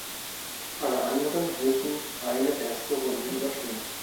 Alle anderen müssen eine erste Runde überstehen.